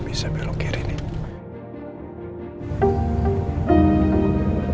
tapi dia bayangkan gue sendiri bu